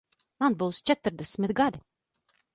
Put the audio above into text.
Man būs četrdesmit gadi.